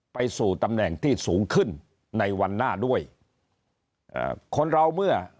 ไปสู่ตำแหน่งที่สูงขึ้นในวันหน้าด้วยเอ่อคนเราเมื่อ